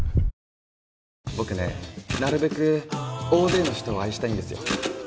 僕ねなるべく大勢の人を愛したいんですよ。